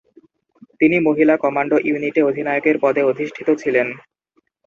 তিনি মহিলা কমান্ডো ইউনিটে অধিনায়কের পদে অধিষ্ঠিত ছিলেন।